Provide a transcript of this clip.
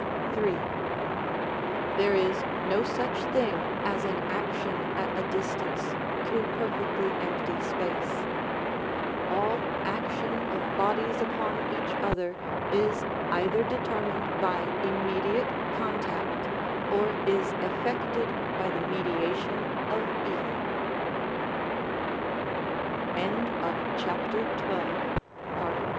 III. There is no such thing as an action at a dis tance through perfectly empty space; all action of bodies upon each other is either determined by imme diate contact or is effected by the mediation